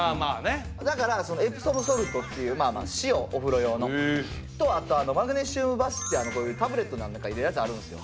だからエプソムソルトっていう塩お風呂用の。とあとマグネシウムバスってタブレットの入れるやつあるんですよ。